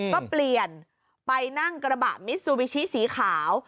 ก็เปลี่ยนไปนั่งกระบะมิซูบิชิสีขาว